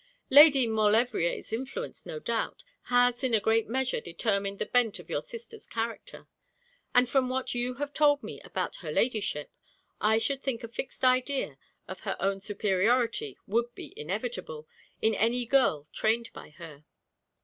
'Lady Maulevrier's influence, no doubt, has in a great measure determined the bent of your sister's character: and from what you have told me about her ladyship, I should think a fixed idea of her own superiority would be inevitable in any girl trained by her.'